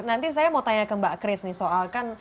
nanti saya mau tanya ke mbak kris nih soal kan